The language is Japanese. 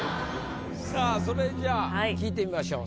さあそれじゃあ聞いてみましょう。